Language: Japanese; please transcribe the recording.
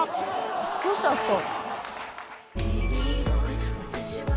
どうしたんすか？